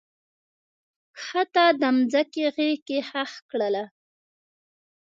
کښته د مځکې غیږ کې ښخ کړله